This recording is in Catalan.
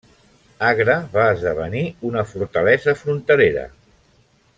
Agra va esdevenir una fortalesa fronterera.